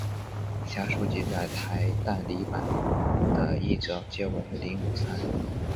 以下书籍在台代理版的译者皆为林武三。